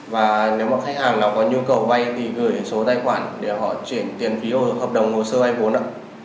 và nếu mà khách hàng có nhu cầu vay thì gửi số tài khoản để họ chuyển tiền phí hợp đồng hồ sơ vay bốn